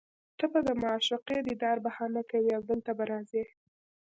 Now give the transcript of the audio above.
ته به د معشوقې دیدار بهانه کوې او دلته به راځې